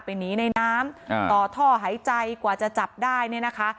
หนีในน้ำต่อท่อหายใจกว่าจะจับได้เนี่ยนะคะ